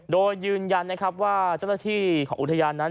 โดยยืนยันนะครับว่าเจ้าหน้าที่ของอุทยานนั้น